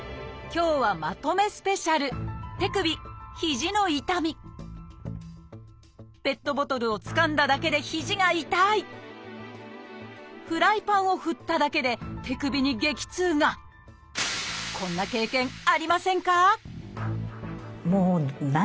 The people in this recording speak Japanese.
今日はまとめスペシャルペットボトルをつかんだだけでフライパンを振っただけでこんな経験ありませんか？